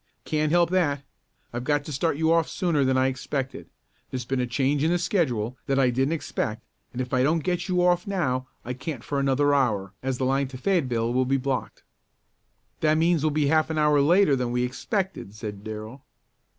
"Can't help that. I've got to start you off sooner than I expected. There's been a change in the schedule that I didn't expect, and if I don't get you off now I can't for another hour, as the line to Fayetteville will be blocked." "That means we'll be half an hour later than we expected," said Darrell.